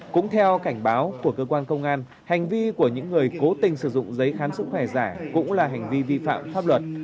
cũng theo cảnh báo của cơ quan công an hành vi của những người cố tình sử dụng giấy khám sức khỏe giả cũng là hành vi vi phạm pháp luật